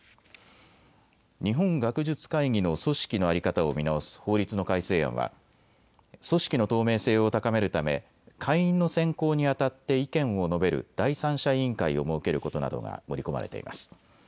日本学術会議の組織の在り方を見直す法律の改正案は組織の透明性を高めるため会員の選考にあたって意見を述べる第三者委員会を設けることなどが盛り込まれています。